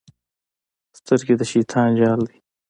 سترګې د شیطان جال دی.